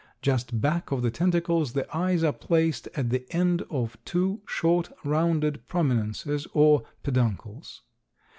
Just back of the tentacles the eyes are placed at the end of two short, rounded prominences or peduncles.